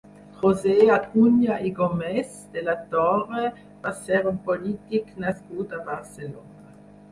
José Acuña i Gómez de la Torre va ser un polític nascut a Barcelona.